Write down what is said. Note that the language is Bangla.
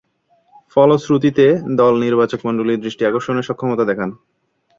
ফলশ্রুতিতে, দল নির্বাচকমণ্ডলীর দৃষ্টি আকর্ষণে সক্ষমতা দেখান।